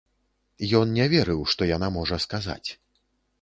Ён не верыў, што яна можа сказаць.